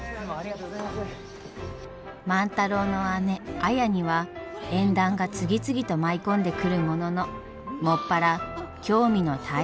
万太郎の姉綾には縁談が次々と舞い込んでくるものの専ら興味の対象は商い。